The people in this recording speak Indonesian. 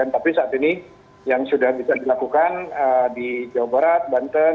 tapi saat ini yang sudah bisa dilakukan di jawa barat banten